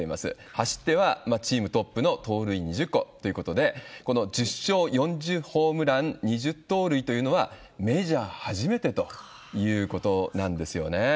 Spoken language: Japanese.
走ってはチームトップの盗塁２０個ということで、この１０勝４０ホームラン２０盗塁というのは、メジャー初めてということなんですよね。